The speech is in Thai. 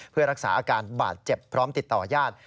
เพื่อรักษาอาการบาดเจ็บพร้อมติดต่อญาติ